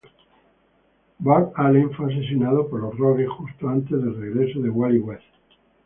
Bart Allen fue asesinado por los Rogues justo antes del regreso de Wally West.